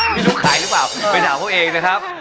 ไม่รู้ขายหรือเปล่าไปถามเขาเองนะครับ